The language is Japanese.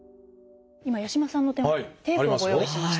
今八嶋さんの手元にテープをご用意しました。